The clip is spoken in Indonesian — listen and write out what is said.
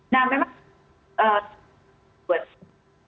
nah memang buat kita